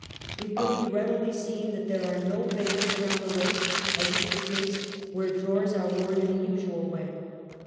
It will be readily seen that there are no bands around the waist as is the case where drawers are worn in the usual way.